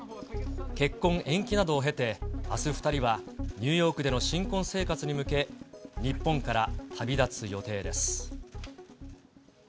結婚延期などを経て、あす２人は、ニューヨークでの新婚生活に向け、日本から旅立つ予定です。